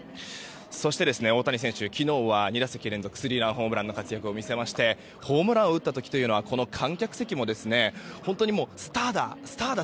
そして、大谷選手、昨日は２打席連続スリーランホームランの活躍を見せましてホームランを打った時というのは観客席も本当にスターだ！